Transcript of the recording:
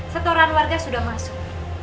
setoran warga sudah masuk